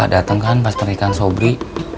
dateng kan pas pernikahan sobri